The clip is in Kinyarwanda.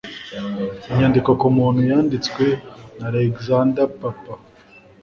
Inyandiko ku muntu yanditswe na Alexander Papa